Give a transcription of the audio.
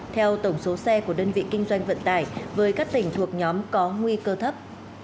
theo tổng số xe của đơn vị kinh doanh vận tải với các tỉnh thuộc nhóm có nguy cơ thấp